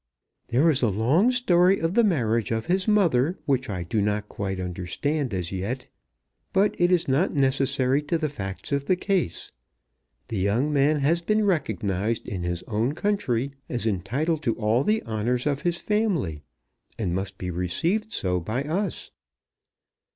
There is a long story of the marriage of his mother which I do not quite understand as yet, but it is not necessary to the facts of the case. The young man has been recognized in his own country as entitled to all the honours of his family, and must be received so by us.